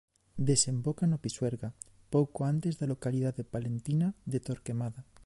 Desemboca no Pisuerga pouco antes da localidade palentina de Torquemada.